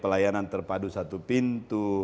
pelayanan terpadu satu pintu